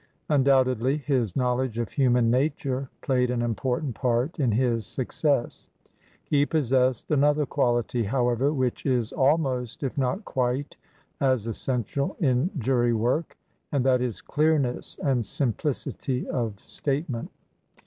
Undoubtedly his know ledge of human nature played an important part in his success. He possessed another quality, however, which is almost, if not quite, as essential in jury work, and that is clearness and simplicity of statement.